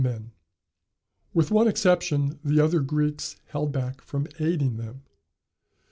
] With one exception, the other Greeks held back from aiding them.